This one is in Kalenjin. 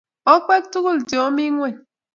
Okwek tugul che omi ng'ony;